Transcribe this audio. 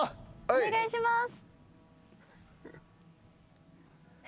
お願いします。